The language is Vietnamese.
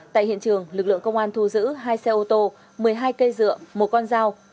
tại hiện trường lực lượng công an thu giữ hai xe ô tô một mươi hai cây dựa một con dao